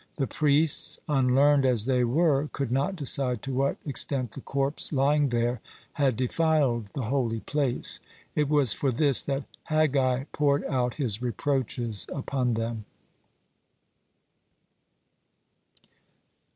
The priests, unlearned as they were, could not decide to what extent the corpse lying there had defiled the holy place. It was for this that Haggai poured out his reproaches upon them.